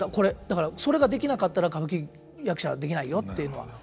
だからそれができなかったら歌舞伎役者はできないよっていうのは言ってますね。